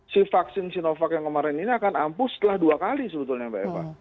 si vaksin sinovac yang kemarin ini akan ampuh setelah dua kali sebetulnya mbak eva